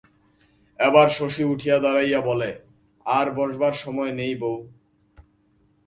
এবার শশী উঠিয়া দাড়াইয়া বলে, আর বসবার সময় নেই বেী।